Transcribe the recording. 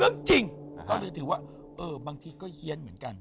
เรื่องจริงก็เลยถือว่าบางทีก็เฮียนเหมือนกัน